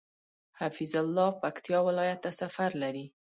حفيظ الله پکتيا ولايت ته سفر لري